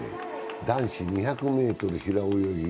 男子２００ｍ平泳ぎ。